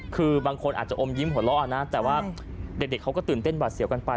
คือบางคนอาจจะอมยิ้มหัวเราะนะแต่ว่าเด็กเขาก็ตื่นเต้นหวาดเสียวกันไป